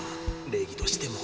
礼儀としても。